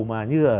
mà như là